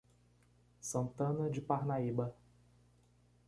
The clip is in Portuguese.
Santana de Parnaíba